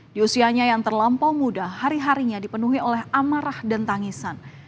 di usianya yang terlampau muda hari harinya dipenuhi oleh amarah dan tangisan